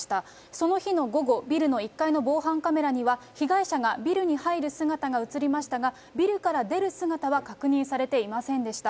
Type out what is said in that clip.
その日の午後、ビルの１階の防犯カメラには、被害者がビルに入る姿が写りましたが、ビルから出る姿は確認されていませんでした。